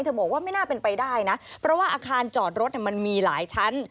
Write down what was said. บอกว่าไม่น่าเป็นไปได้นะเพราะว่าอาคารจอดรถมันมีหลายชั้น